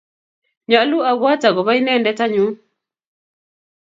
Nyalu apwat akopo inendet anyun.